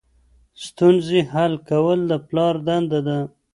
ستونزې حل کول د پلار دنده ده.